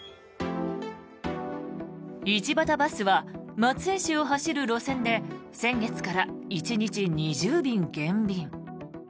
一畑バスは松江市を走る路線で先月から１日２０便減便。